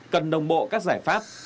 cần đồng bộ các giải pháp